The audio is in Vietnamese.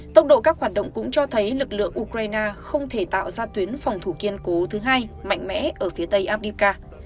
tốc độ các hoạt động cũng cho thấy lực lượng ukraine không thể tạo ra tuyến phòng thủ kiên cố thứ hai mạnh mẽ ở phía tây abdica